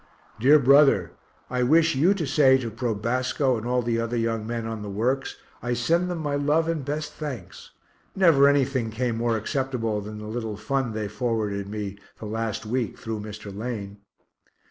Dear brother, I wish you to say to Probasco and all the other young men on the Works, I send them my love and best thanks never anything came more acceptable than the little fund they forwarded me the last week through Mr. Lane.